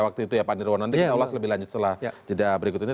waktu itu ya pak nirwan nanti kita ulas lebih lanjut setelah jeda berikut ini